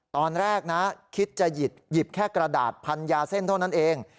ตอนแรกนะคิดจะหยิบแค่กระดาษพันยาเส้นเท่านั้นเอง